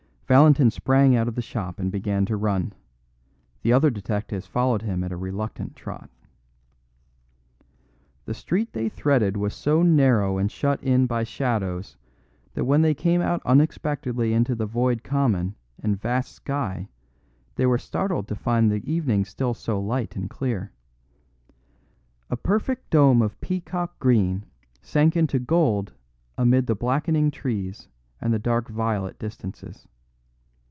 Valentin sprang out of the shop and began to run. The other detectives followed him at a reluctant trot. The street they threaded was so narrow and shut in by shadows that when they came out unexpectedly into the void common and vast sky they were startled to find the evening still so light and clear. A perfect dome of peacock green sank into gold amid the blackening trees and the dark violet distances.